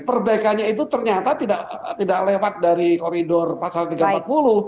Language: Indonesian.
perbaikannya itu ternyata tidak lewat dari koridor pasal tiga ratus empat puluh